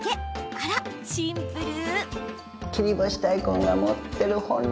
あら、シンプル！